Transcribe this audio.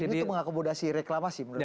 ini untuk mengakomodasi reklamasi menurut anda